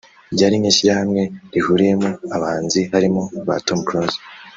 ryari nk’ishyirahamwe rihuriyemo abahanzi harimo ba Tom Close